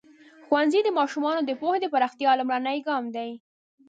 ښوونځی د ماشومانو د پوهې د پراختیا لومړنی ګام دی.